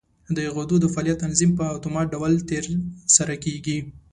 د غدو د فعالیت تنظیم په اتومات ډول تر سره کېږي.